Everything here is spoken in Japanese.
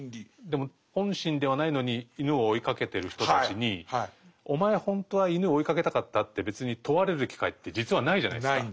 でも本心ではないのに犬を追いかけてる人たちに「お前ほんとは犬追いかけたかった？」って別に問われる機会って実はないじゃないですか。